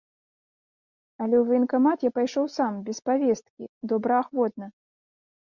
Але ў ваенкамат я пайшоў сам, без павесткі, добраахвотна.